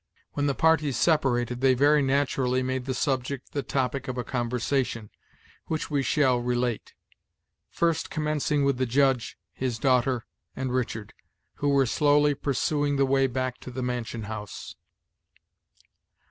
When the parties separated, they very naturally made the subject the topic of a conversation, which we shall relate; first commencing with the Judge, his daughter, and Richard, who were slowly pursuing the way back to the mansion house.